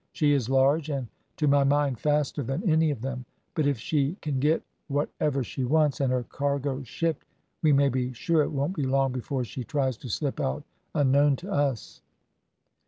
She is large, and to my mind faster than any of them; but if she can get whatever she wants, and her cargo shipped, we may be sure it won't be long before she tries to slip out unknown to us."